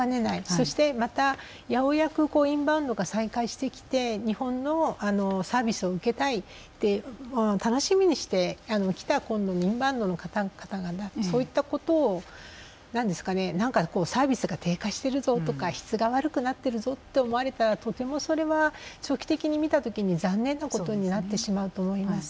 そして、またようやくインバウンドが再開してきて日本のサービスを受けたいと楽しみにしてきたインバウンドの方々がサービスが低下しているぞとか質が悪くなってるぞと思われたらそれは長期的に見たときに残念なことになってしまうと思います。